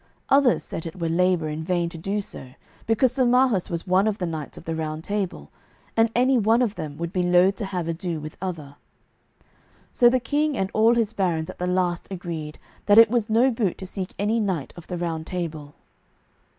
Others said it were labour in vain to do so, because Sir Marhaus was one of the knights of the Round Table, and any one of them would be loath to have ado with other. So the king and all his barons at the last agreed that it was no boot to seek any knight of the Round Table.